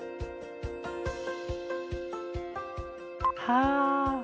はあ。